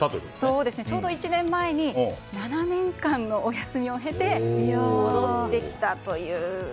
そうですね、ちょうど１年前に７年間のお休みを経て戻ってきたという。